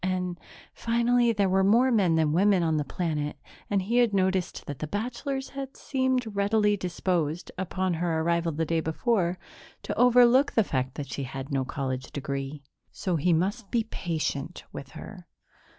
And, finally, there were more men than women on the planet and he had noticed that the bachelors had seemed readily disposed, upon her arrival the day before, to overlook the fact that she had no college degree. So he must be patient with her.